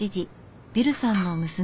ビルさんの娘